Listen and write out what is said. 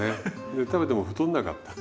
で食べても太んなかった。